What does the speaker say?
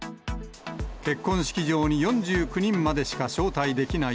結婚式場に４９人までしか招待できない